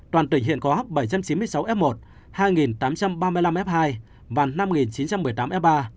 toàn tỉnh hiện có bảy trăm chín mươi sáu f một hai tám trăm ba mươi năm f hai và năm chín trăm một mươi tám f ba